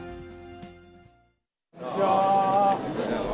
こんにちは。